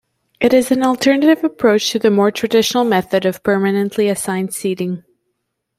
It is an alternative approach to the more traditional method of permanently assigned seating.